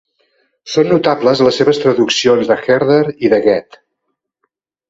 Són notables les seves traduccions de Herder i de Goethe.